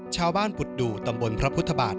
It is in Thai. ชาวบ้านบุดดู่ตำบลพระพุทธบาท